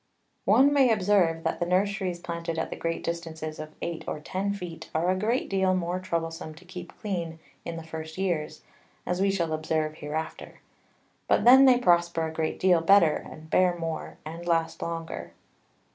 One may observe, that the Nurseries planted at the great Distances of eight or ten Feet, are a great deal more troublesome to keep clean in the first Years, as we shall observe hereafter; but then they prosper a great deal better, bear more, and last longer.